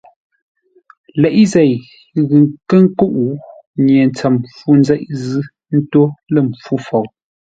Leʼé zei ghʉ nkə́ nkúʼ, nye ntsəm fû nzeʼ zʉ́ ńtó lə̂ mpfú fou.